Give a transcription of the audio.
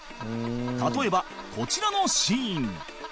例えばこちらのシーン